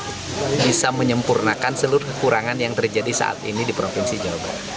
untuk bisa menyempurnakan seluruh kekurangan yang terjadi saat ini di provinsi jawa barat